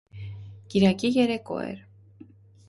Կիրակի երեկո էր: